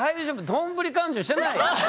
丼勘定してない？